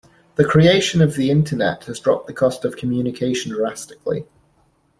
The creation of the internet has dropped the cost of communication drastically.